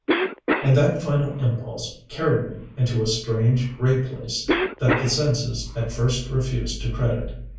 And that final impulse carried me into a strange, gray place that the senses at first refused to credit.